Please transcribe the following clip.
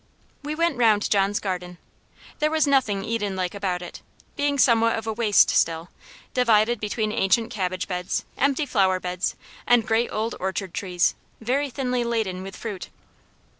We went round John's garden; there was nothing Eden like about it, being somewhat of a waste still, divided between ancient cabbage beds, empty flower beds, and great old orchard trees, very thinly laden with fruit.